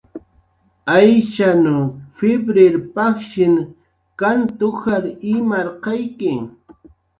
"Ayshan p""iwrirun pajshin kant ujar imarqayki. "